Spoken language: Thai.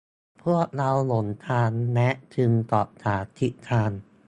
พวกเราหลงทาง แนทจึงสอบถามทิศทาง